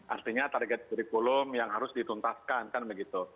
artinya target kurikulum yang harus dituntaskan kan begitu